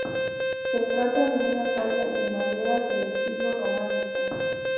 Se trata de una talla en madera de estilo románico.